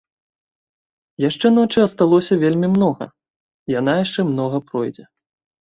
Яшчэ ночы асталося вельмі многа, яна яшчэ многа пройдзе.